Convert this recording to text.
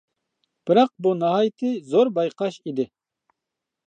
بىراق بۇ ناھايىتى زور بايقاش ئىدى.